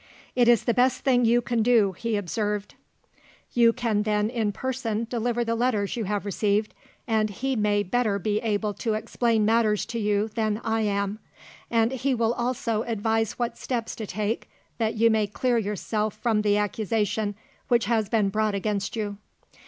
"It is the best thing you can do," he observed. "You can then in person deliver the letters you have received, and he may better be able to explain matters to you than I am, and he will also advise what steps to take that you may clear yourself from the accusation which has been brought against you."